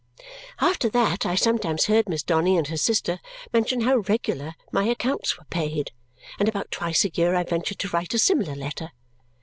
After that I sometimes heard Miss Donny and her sister mention how regular my accounts were paid, and about twice a year I ventured to write a similar letter.